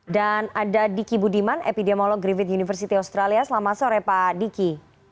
dan ada diki budiman epidemiolog griffith university australia selamat sore pak diki